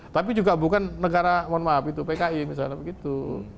tapi juga bukan negara mohon maaf itu pki misalnya begitu